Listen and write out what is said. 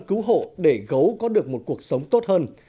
cứu hộ để gấu có được một cuộc sống tốt hơn